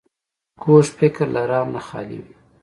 کوږ فکر له رحم نه خالي وي